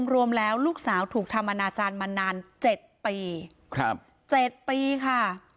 รวมแล้วลูกสาวถูกทำอนาจารย์มานาน๗ปี๗ปีค่ะ